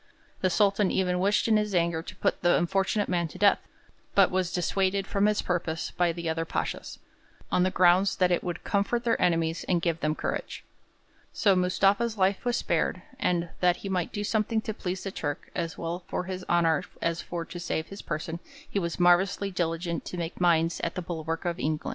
The Sultan even wished in his anger to put the unfortunate man to death, but was dissuaded from his purpose by the other pashas, on the ground that 'it would comfort their enemies and give them courage.' So Mustafa's life was spared, and 'that he might do something to please the Turk, as well for his honour as for to save his person, he was marvellously diligent to make mines at the bulwark of England.'